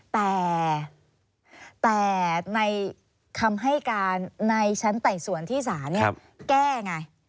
แต่ในคำให้การในชั้นไต่สวนที่ศาลแก้ไง